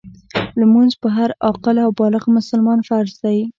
لمونځ په هر عاقل او بالغ مسلمان فرض دی .